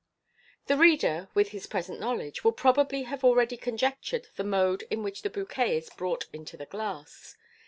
The reader, with his present knowledge, will probably have already conjectured the mode in which the bouquet is brought into the glass.